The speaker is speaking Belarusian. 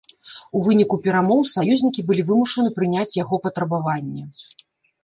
У выніку перамоў саюзнікі былі вымушаныя прыняць яго патрабаванне.